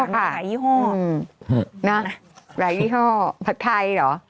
หลายยี่ห้อแขวบไทยเหรอ